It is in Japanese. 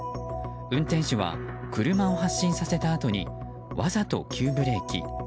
運転手は車を発進させたあとにわざと急ブレーキ。